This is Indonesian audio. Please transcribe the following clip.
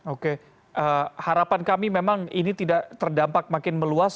oke harapan kami memang ini tidak terdampak makin meluas